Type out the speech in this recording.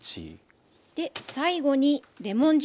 最後にレモン汁。